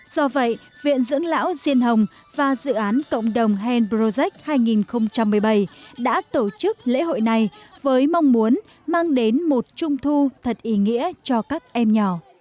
do vậy viện dưỡng lão diên hồng và dự án cộng đồng hand projec hai nghìn một mươi bảy đã tổ chức lễ hội này với mong muốn mang đến một trung thu thật ý nghĩa cho các em nhỏ